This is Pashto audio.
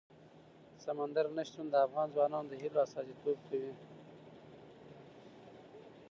سمندر نه شتون د افغان ځوانانو د هیلو استازیتوب کوي.